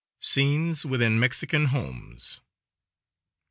SCENES WITHIN MEXICAN HOMES.